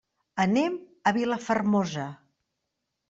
Anem a Vilafermosa.